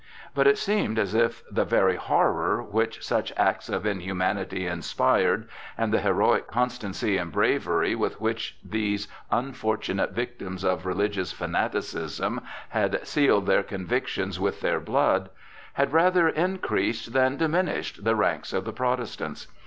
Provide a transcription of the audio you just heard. But it seemed as if the very horror which such acts of inhumanity inspired, and the heroic constancy and bravery with which these unfortunate victims of religious fanaticism had sealed their convictions with their blood, had rather increased than diminished the ranks of the Protestants.